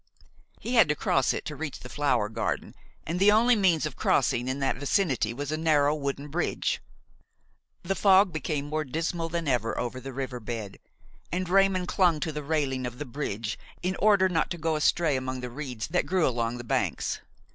He had to cross it to reach the flower garden, and the only means of crossing in that vicinity was a narrow wooden bridge. The fog became more dismal than ever over the river bed, and Raymon clung to the railing of the bridge in order not to go astray among the reeds that grew along the banks.